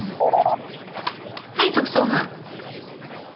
はい特捜班。